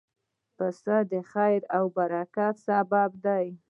پسه د خیر او برکت سبب دی.